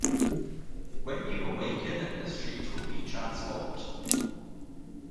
When you awaken, the street will be transformed.